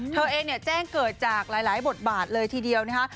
เธอเองเนี่ยแจ้งเกิดจากหลายบทบาทเลยทีเดียวนะคะ